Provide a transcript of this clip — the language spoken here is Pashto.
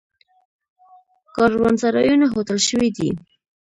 کاروانسرایونه هوټل شوي دي.